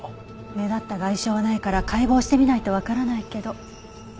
目立った外傷はないから解剖してみないとわからないけど。